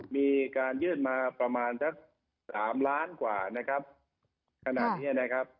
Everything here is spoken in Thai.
มีการยื่นมาประมาณ๓ล้านกว่าขนาดนี้